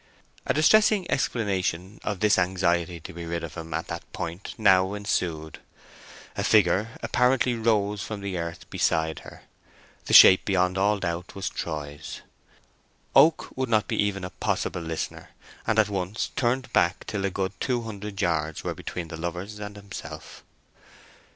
A distressing explanation of this anxiety to be rid of him at that point now ensued. A figure apparently rose from the earth beside her. The shape beyond all doubt was Troy's. Oak would not be even a possible listener, and at once turned back till a good two hundred yards were between the lovers and himself.